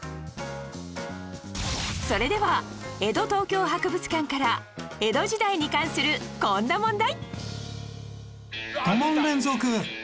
それでは江戸東京博物館から江戸時代に関するこんな問題